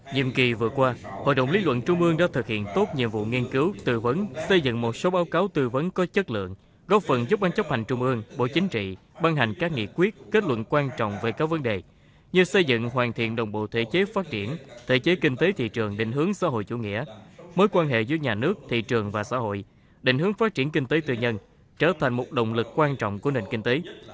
nhiệm kỳ vừa qua hội đồng lý luận trung ương đã thực hiện tốt nhiệm vụ nghiên cứu tư vấn xây dựng một số báo cáo tư vấn có chất lượng góp phần giúp ban chấp hành trung ương bộ chính trị ban hành các nghị quyết kết luận quan trọng về các vấn đề như xây dựng hoàn thiện đồng bộ thể chế phát triển thể chế kinh tế thị trường định hướng xã hội chủ nghĩa mối quan hệ giữa nhà nước thị trường và xã hội định hướng phát triển kinh tế tư nhân trở thành một động lực quan trọng của nền kinh tế